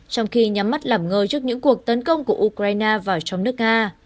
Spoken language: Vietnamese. trong khi nhắm mắt lẩm ngơi trước những cuộc tấn công của ukraine vào trong nước nga